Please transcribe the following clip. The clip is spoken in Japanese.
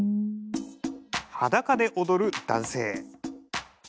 裸で踊る男性。